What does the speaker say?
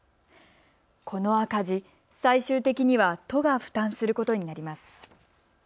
この赤字、最終的には都が負担することになります。